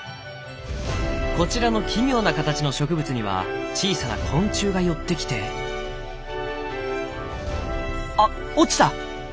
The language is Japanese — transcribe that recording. こちらの奇妙な形の植物には小さな昆虫が寄ってきてあ落ちた！